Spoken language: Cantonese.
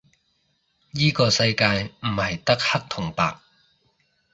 依個世界唔係得黑同白